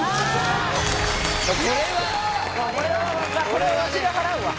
これはわしが払うわ。